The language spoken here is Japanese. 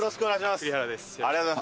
栗原です。